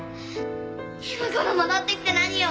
今頃戻ってきて何よ。